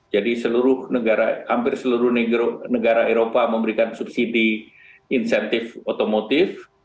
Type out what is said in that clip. jadi seluruh negara hampir seluruh negara eropa memberikan subsidi insentif otomotif